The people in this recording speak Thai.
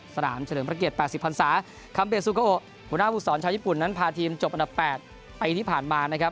สนามเฉลิงประเกต๘๐พันศาคัมเปซูโกโอหัวหน้าภูมิสอนชาวญี่ปุ่นนั้นพาทีมจบอันดับ๘อายุที่ผ่านมานะครับ